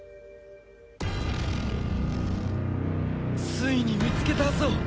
ついに見つけたぞ。